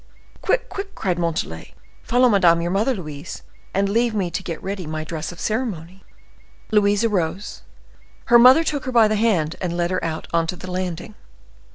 "Quick, quick!" cried Montalais. "Follow Madame your mother, Louise; and leave me to get ready my dress of ceremony." Louise arose; her mother took her by the hand, and led her out on to the landing.